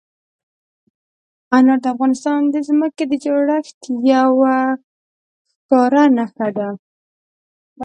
انار د افغانستان د ځمکې د جوړښت یوه ښکاره نښه ده.